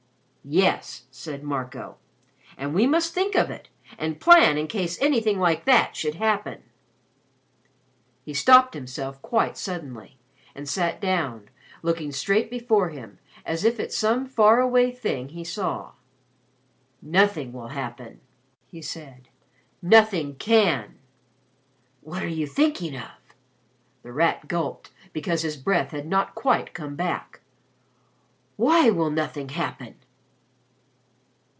"Yes," said Marco. "And we must think of it, and plan in case anything like that should happen." He stopped himself quite suddenly, and sat down, looking straight before him, as if at some far away thing he saw. "Nothing will happen," he said. "Nothing can." "What are you thinking of?" The Rat gulped, because his breath had not quite come back. "Why will nothing happen?"